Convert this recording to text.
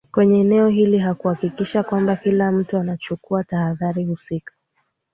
kwenye eneo hilo huakikisha kwamba kila mtu anachukua tahadhari husika